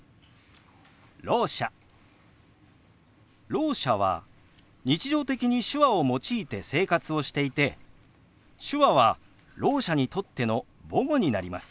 ろう者は日常的に手話を用いて生活をしていて手話はろう者にとっての母語になります。